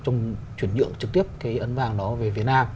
trong chuyển nhượng trực tiếp cái ấn vàng đó về việt nam